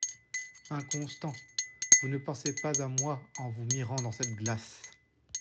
Inconstant ! vous ne pensez pas à moi en vous mirant dans cette glace.